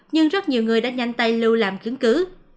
nhưng rất nhiều người đã nhanh tay lưu làm chứng cứ